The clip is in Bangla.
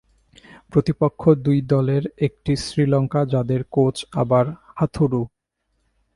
প্রতিপক্ষ দুই দলের একটি শ্রীলঙ্কা, যাদের কোচ আবার হাথুরু।